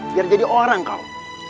biar jadi orang kau